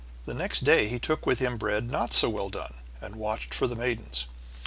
Next day he took with him bread not so well done, and watched for the maidens.